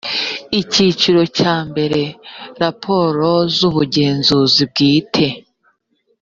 icyiciro cya mbere raporo z ubugenzuzi bwite